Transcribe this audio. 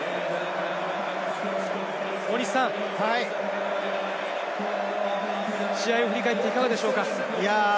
大西さん、試合を振り返っていかがでしょうか？